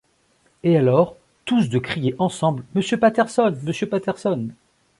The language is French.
Et, alors, tous de crier ensemble :« Monsieur Patterson… monsieur Patterson !